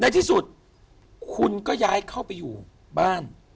ในที่สุดคุณก็ย้ายเข้าไปอยู่บ้าน